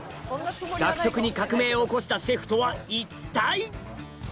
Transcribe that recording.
学食に革命を起こしたシェフとは一体？